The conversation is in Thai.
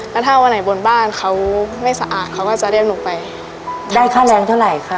แล้วถ้าวันไหนบนบ้านเขาไม่สะอาดเขาก็จะเรียกหนูไปได้ค่าแรงเท่าไหร่ค่ะ